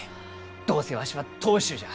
どうせわしは当主じゃ！